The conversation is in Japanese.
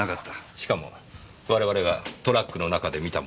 しかも我々がトラックの中で見たものは。